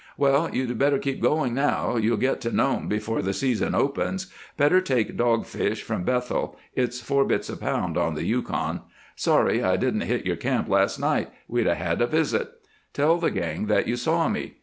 "Well! You'd better keep going now; you'll get to Nome before the season opens. Better take dog fish from Bethel it's four bits a pound on the Yukon. Sorry I didn't hit your camp last night; we'd 'a' had a visit. Tell the gang that you saw me."